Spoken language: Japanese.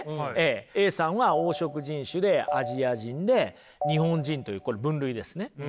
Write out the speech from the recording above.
Ａさんは黄色人種でアジア人で日本人というこれ分類ですね。